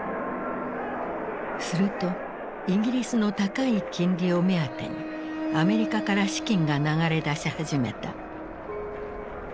するとイギリスの高い金利を目当てにアメリカから資金が流れ出し始めた。